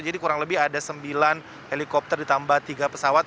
jadi kurang lebih ada sembilan helikopter ditambah tiga pesawat